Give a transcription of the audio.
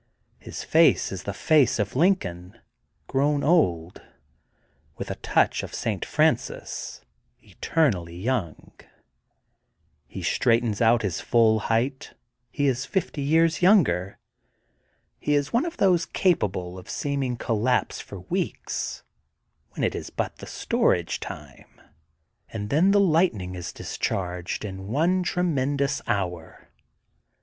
His face is the face of Lin coln, grown old, with a touch of St. Francis eternally young He straightens to his full height. He is fifty years younger. He is one of those capable of seeming collapse for weeks, when it is but the storage time, and then the lightning is discharged in one tre mendous hour.